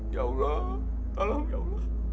ya allah tolong ya allah